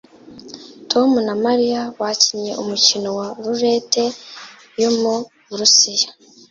Tom na Mariya bakinnye umukino wa roulette yo mu Burusiya